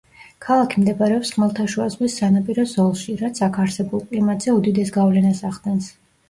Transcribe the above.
ქალაქი მდებარეობს ხმელთაშუა ზღვის სანაპირო ზოლში, რაც აქ არსებულ კლიმატზე უდიდეს გავლენას ახდენს.